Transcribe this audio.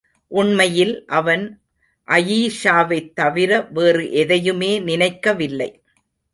உண்மையில் அவன் அயீஷாவைத் தவிர வேறு எதையுமே நினைக்கவில்லை.